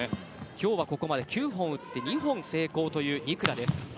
今日はここまで９本打って２本成功というニクラ。